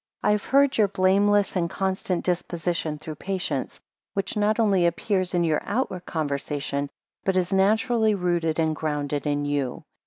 2 I have heard of your blameless and constant disposition through patience, which not only appears in your outward conversation, but is naturally rooted and grounded in you.